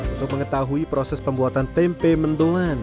untuk mengetahui proses pembuatan tempe mendongan